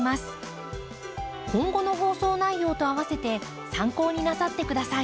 今後の放送内容と併せて参考になさってください。